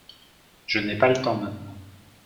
Je n’ai pas le temps maintenant.